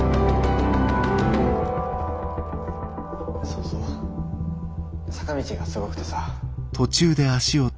・そうそう坂道がすごくてさ。